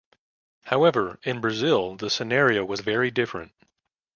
However in Brazil the scenario was very different.